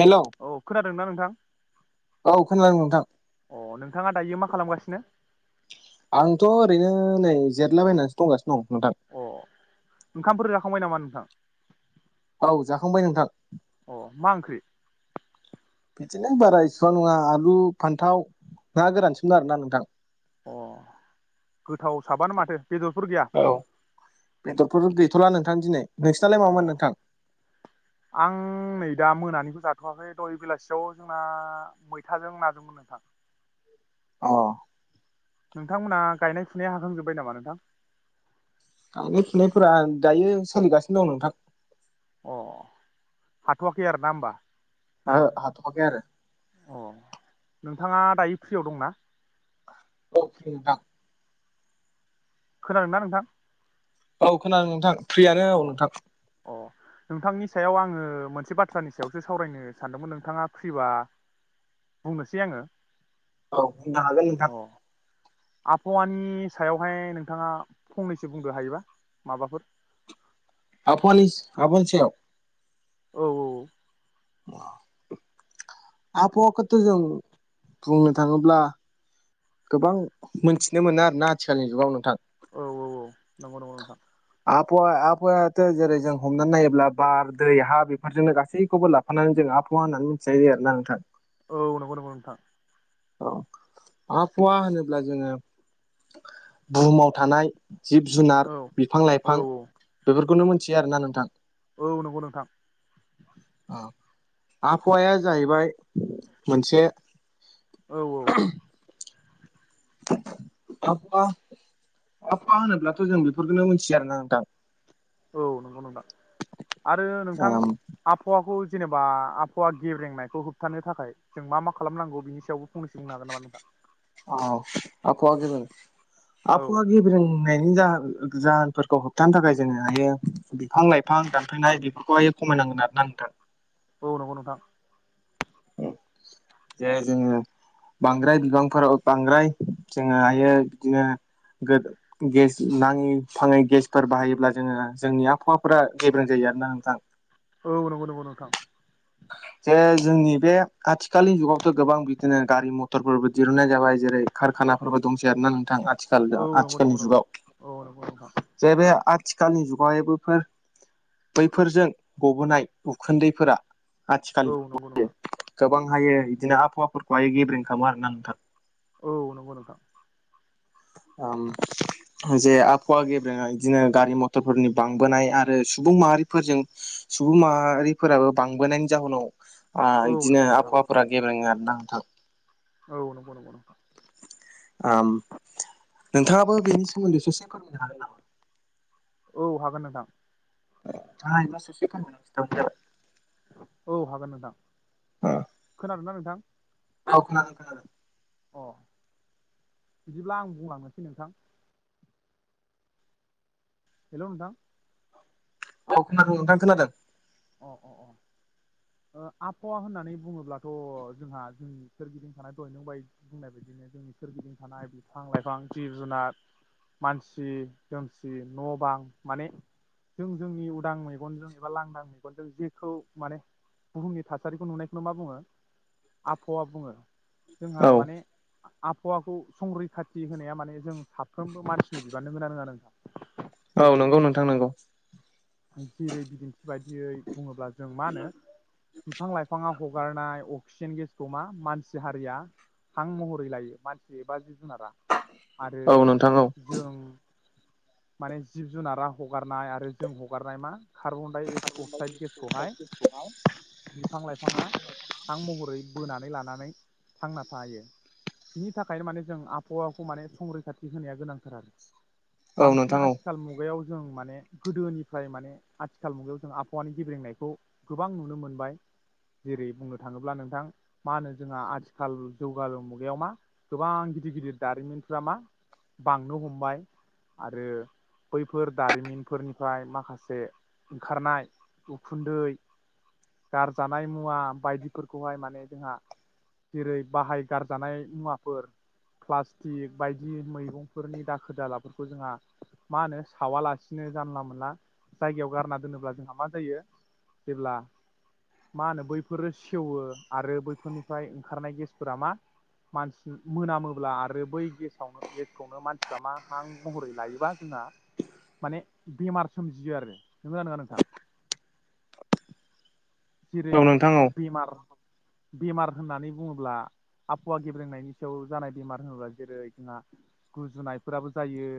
Hello औ खोनादोंना नोंथां औ खोनादों नोंथां अ नोंथाङा दायो मा खालामगासिनो? आंथ' ओरैनो नै जिरला बायनानैसो दं गासिनो। अ ओंखामफोर जाखांबाय नामा नोंथाङा। थां औ जाखांबाय नोंथां मा ओंख्रि बिदिनो बारा इसेबां नङा आलु फान्थाव ना गोरानसोमन आरो ना नोंथां अ गोथाव साबानो माथो बेदरफोर गैया औ बेदरफोर गैथ'ला नों सान दिनै। नोंसिनालाय अ मामोन नोंथां आं नै दा मोनानिबो जाब गथ'वाखै दह बेलासियाव जोंना मैथाजों नाजोंमोन नोंथां अ नोंथांमोनहा गायनाय फुनाया हाखांजोबबाय नामा नोंथां। गायनाय फुनायफोरा दायो सोलिगासिनो दं नोंथां। अ हाथ'वाखै आरो ना होमबा। ओहो‌ हाथ'आखै‌ आरो अ नोंथाङा दायो फ्रियाव दंना। औ नोंथां खोनादों ना नोंथां औ खोनादों नोंथां फ्रियानो औ अ नोंथां अ नोंथांनि सायाव आङो मोनसे बाथ्रानि सायावसो सावरायनो सानदोंमोन नोंथाङा फ्रिबा बुंनोसै आङो। औ बुंनो हागोन नोंथां। अ आबहावानि सायावहाय नोंथाङा फंनैसो बुंदो हायोबा माबाफोर आफाउआनि आफावआनिसायाव औ औ आबहावाखौथ' जों बुंनो थाङोब्ला गोबां मोनथिनो मोनो आरोना आथिखालनि जुगाव नोंथां। औ औ औ नंगौ नंगौ नोंथां। आबहावा आबहावायाथ' जेरै जों हमनानै नायोब्ला बार दै हा बेफोरजोंनो गासैखौबो लाफानानै जों आबहावा होननानै मिथिनाय जायो आरोना नोंथां औ नंगौ नंगौ नोंथां। औ आबहवा होनोब्ला जोङो बुहुमाव थानाय जिब जुनार औ बिफां औ लाइफां बेफोरखौनो मोनथियो आरोना नोंथां। औ नंगौ नोंथां आबहावाया जाहैबाय मोनसे औ औ आफा आफा होनोब्लाथ' जों बेफोरखौनो मिथियो आरोना नोंथां। औ नंगौ नंगौ नोंथां आरो नोंथां औ आबहावाखौ जेनेबा आबहावा गेब्रेंनायखौ होबथानो थाखाय जों मा मा खालामनांगौ बिनि सायावबो फंनैसो बुंनो हागोन नामा नोंथां। औ आबहावआ गेब्रें औ आबहावआगेब्रेंनाय नि ज जाहोनफोरखौ होबथानो थाखाय जोङो हायो बिफां लाइफां दानफायनाय बेफोरखौहायो खमायनांगोन आर ना नोंथां औ नंगौ नोंथां जे जोङो बांद्राय बिबांफोराव बांद्राय जोङो हायो बिदिनो गेस नाङै फाङै गेसफोर बाहायोब्ला जोङो जोंनि आबहावाफोरा गेब्रें जायो आर ना नोंथां औ नंगौ नंगौ नोंथां जे जोंनि बे आथिखालनि जुगावथ' गोबां बिदिनो गारि मथरफोरबो दिहुनन्नाय जाबाय जेरै कारखानाफोरबो दंसै आरोना नोंथां आथिखाल औ नंगौ नंगौ आथिखालनि जुगाव नोंथां जे बे थिखालनि जुगै बफोर बैफोरजों गबोनाय उखुन्दैफोरा आथिखाल औ नंगौ ना गोबां हायो बिदिनो आबहावाफोरखौहायो गेब्रें खालामो आरोना नोंथां औ नंगौ नोंथां ओ जे आबहावा गेब्रेना बिदिनो गारि मथरफोरनि बांबोनाय आरो सुबुं माहारिफोरजों सुबुं माहारिफोराबो बांबोनायनि जाहोनाव आ औ नंगौ बिदिनो आ नोंथां आफोरा गेबें आ नांथाब औ नगौ नोंथाङाबो बेनि सोमोन्दै ससे फोरमायनो हागोन नामा औ हागोन नोंथां ह मससखोनथ मोन जाबाय [unintelligible] हागोन नोंथां खोनादों ना नोंथां औ खोनादों खोनादों अ बिदिब्ला आं बुंलांनोसै नोंथां हेल नोंथां औ खोनादों नोंथां खोनादों अ अ अ आबहावा होननानै बुङोब्लाथ' जोंहा जोंनि सोरगिदिं थानाय दय नं बायदि बुंनाय बदिनो जोंनि सोरगिदिं थानाय बिफां लाइफां जिब जुनार मानसि दोमसि न' बां माने जों जोंनि उदां मेगनजों एबा लांदां मे गनजों जेखौ माने बुहुमनि थासारिखौ नुनायखौनो मा बुङो आबहावा बुङो जोंहा औ माने आबहावाखौ संरैखाथि होनाया माने जों साफ्रोमबो मानसिनि बिबान नोगोना नोंङा नों औ जेरै नंगौ नोंथां नंगौ जेरै बिदिन्थि बाय दियै बुङोब्ला जों मा होनो बिफां लाइफाङा हगारनाय अक्सिजेन गेसखौ मा मानसि हारिया हां महरै लायो मानसि एबा जिब जुनारा आरो औ नोंथां औ जों माने जिब जुनारा हगारनाय आरो जों हगारनाय मा खारब डाइ अक्साइड गेसखौहाय बिफां लाइफाङा हां महरै बोनानै लानानै थांना थायो बिनि थाखायनो माने जों आबहावाखौ माने संरैखाथि होनाया गोनांथार आरो औ नोंथां औ बांसिन नोंथां औ आथिखाल मुगायाव जों माने गोदोनिफ्राय माने आथिखाल मुगायाव जों आबा। वानि गेब्रेंनायखौ गोबां नुनो मोनबाय जेरै-बुंनो थाङोब्ला नोंथां मा होनो जोंहा आथिखाल जौगालु मुगायाव मा गोबां गिदिर-गिदिर दारिमिनफ्रा मा बांनो हमबाय आरो बैफोर दारिमिनफोरनिफ्राय माखासे ओंखारनाय। उखुन्दै गारजानाय मुवा बायदिफोरखौहाय माने जोंहा जेरै बाहाय गारजानाय मुवाफोर, प्लास्टिक बायदि मैगंफोरनि दाखोर-दालाफोरखौ जोंहा मा होनो सावालासिनो जानला-मोनला जायगायाव गारना दोनोब्ला जोंहा मा। जायो जेब्ला मा होनो बैफोरो सेवो आरो बैफोरनिफ्राय ओंखारनाय गेसफोरा मा मानसि मोनामोब्ला आरो बै गेसावनो गेसखौनो मानसिफ्रा मा हां महरै लायोबा जोंना माने बेमार सोमजियो आरो नंगोना नङा नोंथां? [inaudible] जेरै-बेमार। बेमार होननानै बुङोब्ला आबहावा गेब्रेंनायनि सायाव जानाय बेमार होनोब्ला जेरै जोंहा गुजुनायफोराबो जायो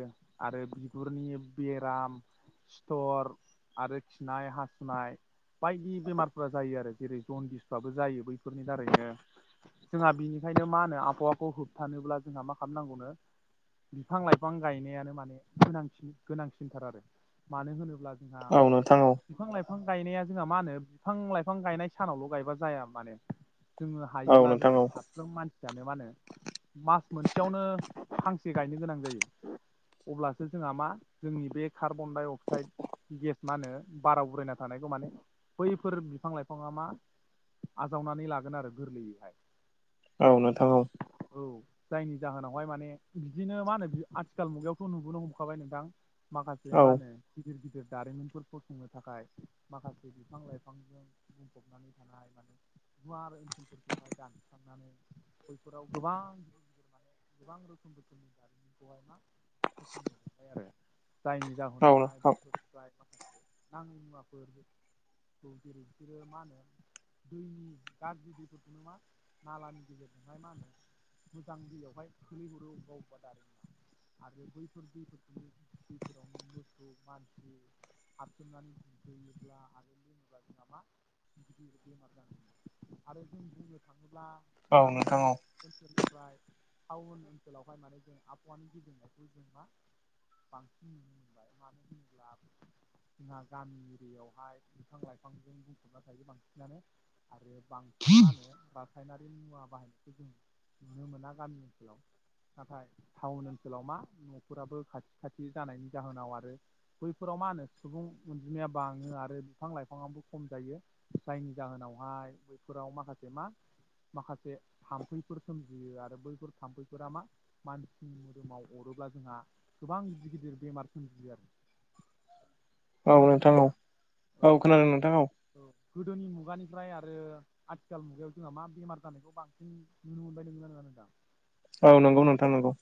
आरो बिगुरनि बेराम, सिथर आरो खिनाय हासुनाय बायदि बेमार। फोरा जायो आरो जेरै-जनदिसफ्राबो जायो बैफोरनि दारैनो जोंहा बिनिखायनो मा होनो आबहावाखौ होबथानोब्ला जोंहा मा खालामनांगौनो बिफां-लाइफां गायनायानो माने गोनांसिन-गोनांसिनथार आरो मानो होनोब्ला। जोंहा औ नोंथां औ बिफां-लाइफां। गायनाया जोंहा मा होनो? बिफां-लाइफां गायनाय सानावल' गायबा जाया माने। जोङो औ हायोब्ला नोंथां जों औ नोंथां औ साफ्रोम मानसि। जानो मानो मास मोनसेयावनो फांसे गायनो गोनां जायो अब्लासो जोंहा मा जोंनि बे। Carbon dioxide gas. मा होनो बारा उरायना थानायखौ माने? बैफोर बिफां-लाइफाङा मा आजावनानै लागोन आरो गोरलैयैहाय। औ नोंथां औ। औ जायनि जाहोनावहाय माने बिदिनो मा होनो आथिखाल मुगायावथ' नुबोनो हमखाबाय नोंथां। माखासे माहोनो गिदिर-गिदिर। दारिमिनफोरखौ फसंनो थाखाय माखासे। बिफां-लाइफांजों बुंफबनानै थानाय माने गुवार ओनसोलफोरखौहाय दानसस्रांनानै बैफोराव गोबां गिदिर-गिदिर माने गोबां रोखोम रोखोमनि दारिमिनखौहाय मा। [unintelligible] आरो। जायनि जाहोनावहाय बैसोरनिफ्राय माखासे। [unintelligible] [unintelligible] जों मा गिदिर बेमार जों आरो जों बुंनो थाङो। बा नोंथां गामि। ओमफ्राय टाउन ओनसोलावहाय माने जों आबहावानि गेब्रेंनायखौ जों मा बांसिन नुनो मोनबाय मानो होनोब्ला जोंहा गामि एरियायावहाय। बिफां लाइफांजों बुंफबना थायो बांसिनानो आरो बांसिनानो रासायनारि मुवा बाहायनायखौ जों नुनो मोना गामि ओनसोलाव नाथाय टाउन ओनसोलाव मा न'फोराबो खाथि-खाथि जानायनि जाहोनाव आरो बैफोराव मा होनो सुबुं अनजिमाया बाङो आरो। बिफां लाइफांआबो खम जायो जायनि जाहोनावहाय बैफोराव माखासे मा माखासे थाम्फैफोर सोमजियो आरो बैफोर थाम्फैफोरा मा मानसिनि मोदोमाव अरोब्ला जोंहा गोबां गिदिर-गिदिर बेमार सोमजियो आरो। औ औ खोनादोंना औ नोंथां? औ खोनादों नोंथां औ। गोदोनि मुगानिफ्राय आरो आथिखाल मुगायाव जोंहा मा बेमार जानायखौ बांसिन नुनो मोनबाय नोंथां? औ नंगौ नोंथां नंगौ।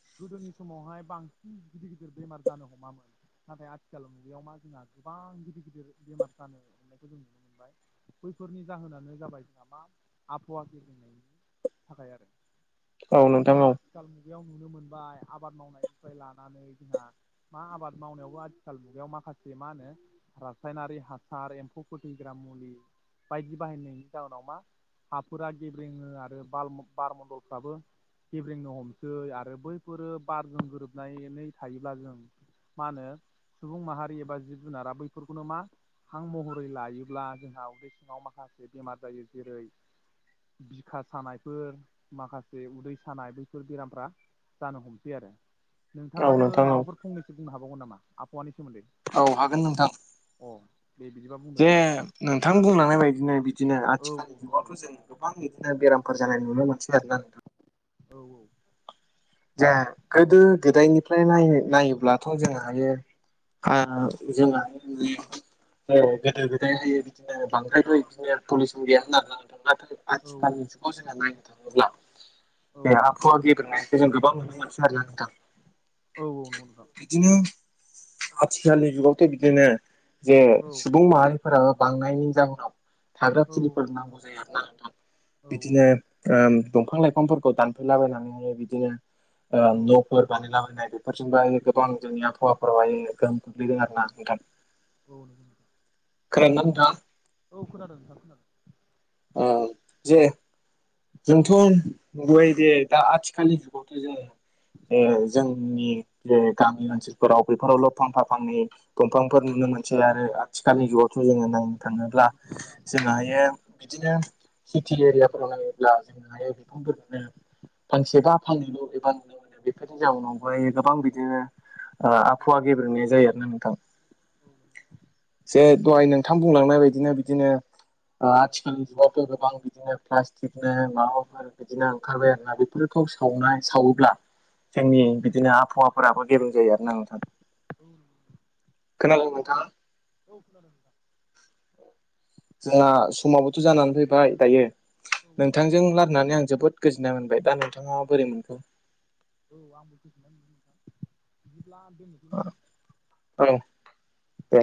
गिदिर-गिदिर बेमार जानो हमामोन नाथाय आथिखालाव मुगायाव मा जोंहा गोबां गिदिर-गिदिर बेमार। जानो हानायखौ जों नुनो मोनबाय बैफोरनि जाहोनानो जाबाय जोंहा मा आबहावानि थाखाय आरो। औ नोंथां जों औ आथिखाल मुगायाव। नुनो मोनबाय आबाद मावनायनिफ्राय लानानै जोंहा मा आबाद मावनायावबो आथिखाल मुगायाव माखासे मा होनो रासायनारि हासा। सार एम्फौ फोथैग्रा मुलि बायदि बाहायनायनि जाहोनाव मा हाफोरा गेब्रेङो आरो बार बारमन्दलफ्राबो गेब्रेंनो हमसै आरो बैफोरो बारजों गोरोबनानै थायोब्ला जों मा होनो सुबुं माहारि एबा जिब जुनारा बैफोरखौनो मा हां महरै लायोब्ला जोंहा उदै सिङाव माखासे बेमार जायो जेरै बिखा सानायफोर माखासे उदै सानाय बैफोर बेरामफ्रा जानो हमसै आरो। औ नोंथाङाबो नोंथां औ माबाफोर फंनैसो बुंनो हाबाव नंगौ नामा आबहावानि सोमोन्दै औ हागोन नोंथां अ दे बिदिबा बुंदो जे नोंथां नोंथां बुंलांनायबायदिनो बिदिनो औ आथिखाल औ नंगौ नंगौ जुगावथ' जों गोबां बिदिनो बेराम जानाय नुनो मोनसै आरो ना नोंथां औ औ जे गोदो गोदायनिफ्राय नायोब्लाथ' जों हायो आ जोंहा गोदो गोदायहाय बिदिनो बांद्रायबो बिदिनो पलिसन गैया होननानै नाथाय औ आथिखालनि जुगाव जोंहा नायनो थाङोब्ला औ बे आख' गेब्रेंनाय जे जों गोबां नुनो मोनसै आरोना नोंथां औ औ नंगौ नोंथां आखिलनि जुगावथ बिदिनो जे औ सुबुं माहारि फोराबो बांनायनि जााहोनाव थाग्रा औ औ थिलिफोर नंगौ नोंथां नांगौ जायो आरो ना नोंथां औ बिदिनो ओम दंफां लाइफांफोरखौ दानफैलाबायनानैनो बिदि बिदिनो आरो औ न'फोर बानायला बायना बेफोरजोंबो गोबां जोंनि आबहावाफोरावहाय गोहोम गोग्लैदों आरो ना नोंथां औ नोंगै खोनादोंना नोंथां औ खोनादों नोंथां खोनादों अ जे जोंथ' नुबाय दे दा आथिखालनि जुगावथ' जों ए औ जोंनि गामि ओनसोलफोराव बेफोरावल' फांफा फांनै दंफांफोर नुनो मोनसै आरो आथिखालनि जुगावथ' जोङो नायनो औ थाङोब्ला नंगौ नंगौ जों हायो बिदिनो सिटि एरियाफोराव नायोबा ब्ला जोंङोहायो बिफांफोरखौनो फांसेबा फानैल' एबा नुनो मोनो बेफोरनि जाउनावाय गोबां बिदिनो आबहावा गेब्रेंनाय जायो आरोना नोंथां जे दहाय नोंथां बुंलांनाय बायदिनो बिदिनो आथिखालनि जुगावथ' गोबां बिदिनो प्लासटिक बिदिनो माबाफोर बिदिनो ओंखारबाय आरोना बेफोरखौ सावनाय सावोब्ला जोंनि बिदिनो आबहावाफोराबो गब्रें जायो आरो ना नोंथां औ खोनादों नोंथाङा औ खोनादों जोंहा समाबोथ' जानानै फैबाय दायो नोंथांजों रालारायनानै आं जोबोद गोजोन्नाय मोनबाय दा नोंथांङा बोरै मोनखो? [unintelligible] [unintelligible] बिदिब्ला। [unintelligible] ओ औ दे।